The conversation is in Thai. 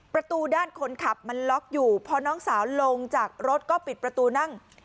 ประตูด้านคนขับมันล็อกอยู่พอน้องสาวลงจากรถก็ปิดประตูนั่ง